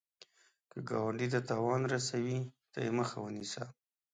که ګاونډي ته تاوان رسوي، ته یې مخه ونیسه